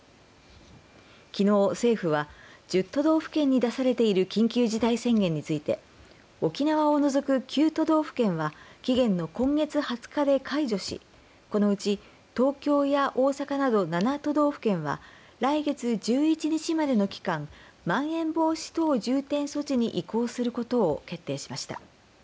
きのう政府は１０都道府県に出されている緊急事態宣言について沖縄を除く９都道府県は期限の今月２０日で解除しこのうち東京や大阪など７都道府県は来月１１日までの期間まん延防止等重点措置に移行することを決定しました。